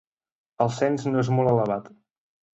El cens no és molt elevat.